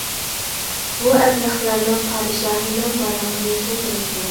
بۇ ئەبلەخلەرنىڭ پادىشاھىنىڭ بارلىقىنى كىم بىلسۇن.